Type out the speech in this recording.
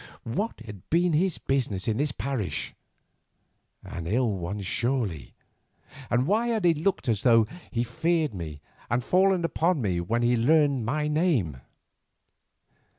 What had been his business in this parish?—an ill one surely—and why had he looked as though he feared me and fallen upon me when he learned my name?